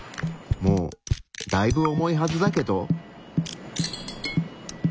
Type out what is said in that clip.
もうだいぶ重いはずだけど。